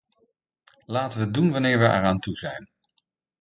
Laten we het doen wanneer we er aan toe zijn.